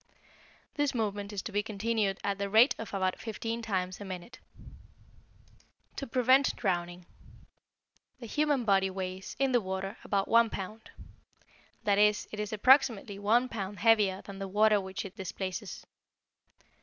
This movement is to be continued at the rate of about fifteen times a minute. =To Prevent Drowning.= The human body weighs, in the water, about one pound; that is, it is approximately one pound heavier than the water which it displaces.